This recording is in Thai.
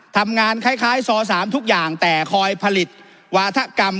ทำงานคล้ายซอ๓ทุกอย่างแต่คอยผลิตวาธกรรม